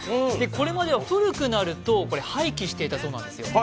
これまでは古くなると廃棄していたそうなんですよ。